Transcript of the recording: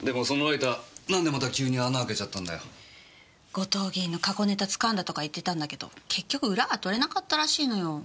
後藤議員の過去ネタつかんだとか言ってたんだけど結局裏が取れなかったらしいのよ。